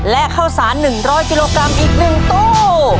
และเข้าสารหนึ่งร้อยกิโลกรัมอีกหนึ่งตู้